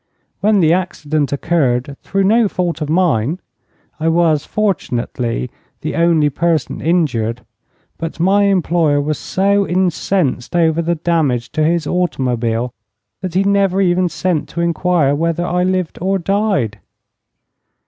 When the accident occurred, through no fault of mine, I was, fortunately, the only person injured; but my employer was so incensed over the damage to his automobile that he never even sent to inquire whether I lived or died.